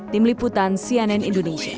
tim liputan cnn indonesia